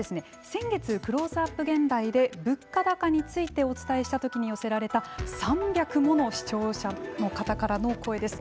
先月「クローズアップ現代」で物価高についてお伝えした時に寄せられた３００もの視聴者の方からの声です。